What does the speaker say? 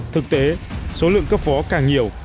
thực tế số lượng cấp phó càng nhiều